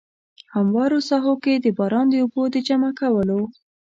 هموارو ساحو کې د باران د اوبو د جمع کولو.